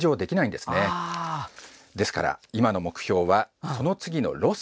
ですから今の目標はこの次のロス